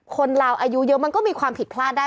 คนเราอายุเยอะมันก็มีความผิดพลาดได้